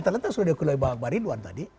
ternyata sudah diakui oleh pak ridwan tadi